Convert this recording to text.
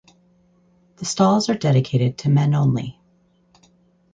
The stalls are dedicated to men only.